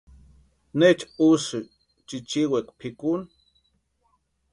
¿Necha úsï chichiwekwa pʼikuni?